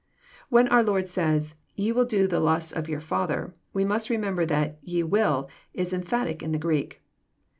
When our Lord says, " Ye will do the lusts of your father," we must remember that " ye will " is emphatic in the Greek.